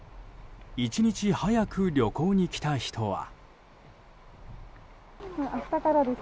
１日早く旅行に来た人は。